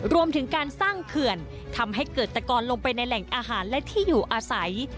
รวมถึงการสร้างเขื่อนทำให้เกิดตะกรลงไปในแหล่งอาหารและที่อยู่อาศัย